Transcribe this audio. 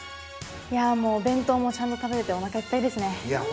いやもうお弁当もちゃんと食べれておなかいっぱいですね。